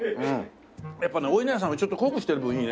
やっぱねおいなりさんをちょっと濃くしてる分いいね。